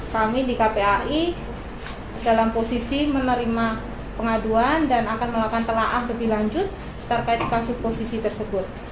kami di kpai dalam posisi menerima pengaduan dan akan melakukan telah lebih lanjut terkait kasus posisi tersebut